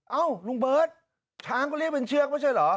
เอ้าลุงเบิร์ตช้างก็เรียกเป็นเชือกไม่ใช่เหรอ